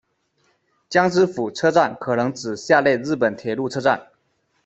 江之浦车站可能指下列日本铁路车站：